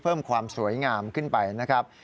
เพิ่มความสวยงามขึ้นไปนะครับ